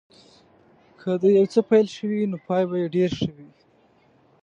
که د یو څه پيل ښه وي نو پای به یې ډېر ښه وي.